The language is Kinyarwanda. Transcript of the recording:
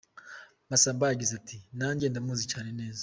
Masamba yagize ati “Nanjye ndamuzi cyane Neza.